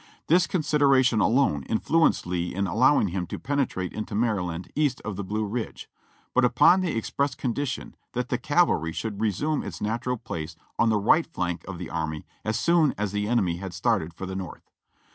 This consideration alone influenced Lee in al lowing him to penetrate into jMaryland east of the Blue Ridge, but upon the express condition that the cavalry should resume its natural place on the right flank of the army as soon as the enemy had started for the North.